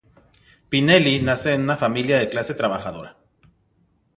Pinelli nace en una familia de clase trabajadora.